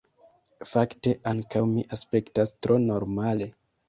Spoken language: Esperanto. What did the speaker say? Fakte, ankaŭ mi aspektas tro normale.